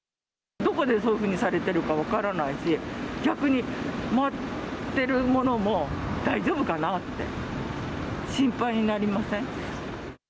どこでそういうふうにされてるか分からないし、逆に回ってるものも大丈夫かなって、心配になりません？